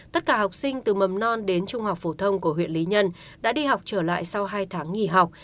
tất cả học sinh từ mầm non đến trung học phổ thông của huyện lý nhân đã đi học trở lại sau hai tháng nghỉ học